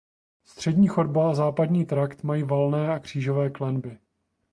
Střední chodba a západní trakt mají valené a křížové klenby.